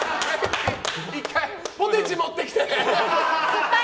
１回ポテチ持ってきて！